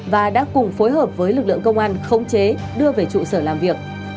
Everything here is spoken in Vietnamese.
và đã cùng phối hợp với lực lượng công an khống chế đưa về trụ sở làm việc